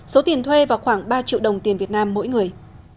số tiền thuê vào khoảng ba triệu đồng tiền việt nam mỗi người